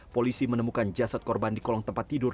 polisi menemukan jasad korban di kolong tempat tidur